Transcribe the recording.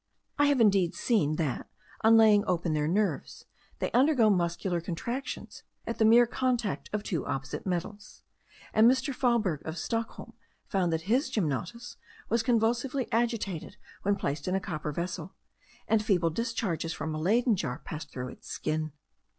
I have indeed seen, that, on laying open their nerves, they undergo muscular contractions at the mere contact of two opposite metals; and M. Fahlberg, of Stockholm, found that his gymnotus was convulsively agitated when placed in a copper vessel, and feeble discharges from a Leyden jar passed through its skin.